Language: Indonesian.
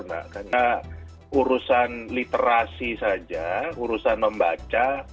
karena urusan literasi saja urusan membaca